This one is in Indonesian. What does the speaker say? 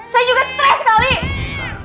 saya juga stres sekali